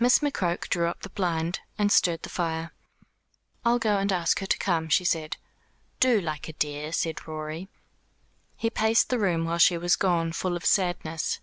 Miss McCroke drew up the blind, and stirred the fire. "I'll go and ask her to come," she said. "Do, like a dear," said Rorie. He paced the room while she was gone, full of sadness.